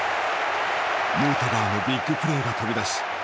ヌートバーのビッグプレイが飛び出し宿敵